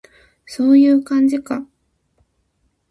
そういう感じか